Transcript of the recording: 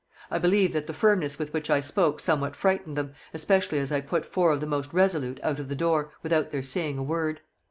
I believe that the firmness with which I spoke somewhat frightened them, especially as I put four of the most resolute out of the door, without their saying a word.